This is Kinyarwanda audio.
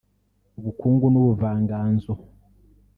Ubukungu n’Ubuvanganzo